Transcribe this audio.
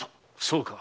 そうか。